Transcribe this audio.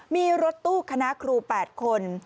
มีรถตู้คณะครู๘คน